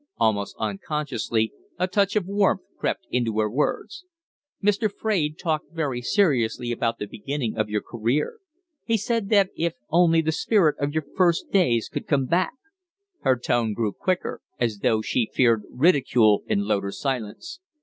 Almost unconsciously a touch of warmth crept into her words. "Mr. Fraide talked very seriously about the beginning of your career. He said that if only the spirit of your first days could come back " Her tone grew quicker, as though she feared ridicule in Loder's silence.